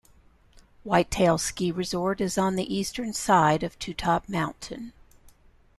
Whitetail Ski Resort is on the eastern side of Two Top Mountain.